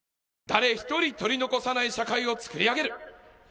誰一人取り残さない社会をつくり上げる。